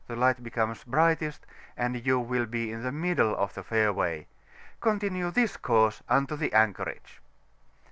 the light becomes brightest, and you will be in the middle of the fairway: continue this course unto the anchorage.